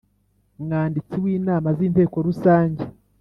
mwanditsi w inama z Inteko Rusange